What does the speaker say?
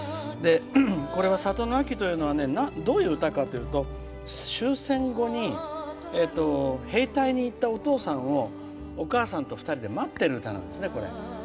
「里の秋」はどういう歌かというと終戦後に兵隊へ行ったお父さんをお母さんと２人で待ってる歌なんですね。